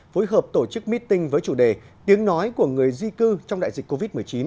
phối hợp tổ chức meeting với chủ đề tiếng nói của người di cư trong đại dịch covid một mươi chín